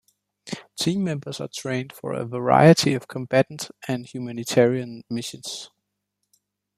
Team members are trained for a variety of combatant and humanitarian missions.